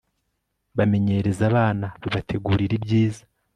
bamenyereza abana bibategurira ibyiza